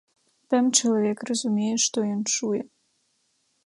Там чалавек разумее, што ён чуе.